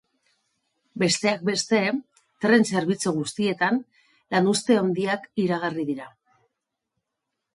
Besteak beste, tren zerbitzu guztietan lanuzte handiak iragarri dira.